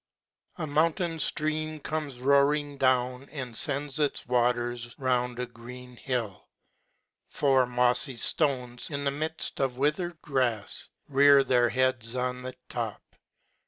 A mountain ftream comes roaring down, and fends its waters round a green hill. Four mofly ftones, in the midft of withered grafs, rear their heads on the top.